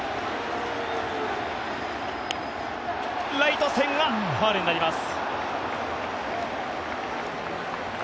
ライト線はファウルになります。